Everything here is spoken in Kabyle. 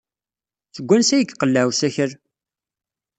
Seg wansi ay iqelleɛ usakal?